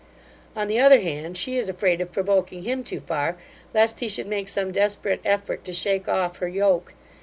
On the other hand, she is afraid of provoking him too far, lest he should make some desperate effort to shake off her yoke.